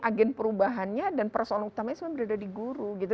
agen perubahannya dan persoalan utamanya sebenarnya berada di guru gitu